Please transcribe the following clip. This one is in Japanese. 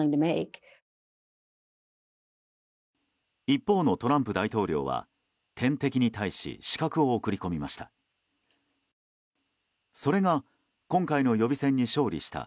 一方のトランプ大統領は天敵に対し刺客を送り込みました。